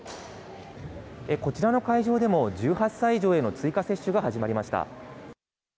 こちらの会場でも、１８歳以上への追加接種が始まりました。